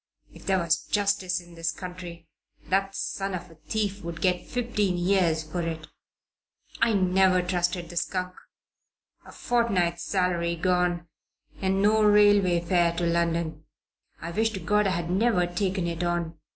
"If there was justice in this country that son of a thief would get fifteen years for it. I never trusted the skunk. A fortnight's salary gone and no railway fare to London. I wish to God I had never taken it on.